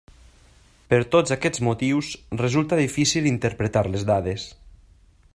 Per tots aquests motius resulta difícil interpretar les dades.